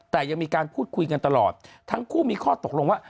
แต่ยังมีการพูดคุยกันตลอดทั้งคู่มีข้อตกลงว่า